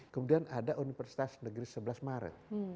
kemudian ada universitas negeri sebelas maret